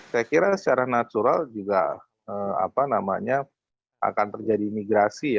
saya kira secara natural juga akan terjadi migrasi ya